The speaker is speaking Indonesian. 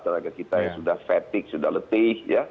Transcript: dan agak kita yang sudah fatigue sudah letih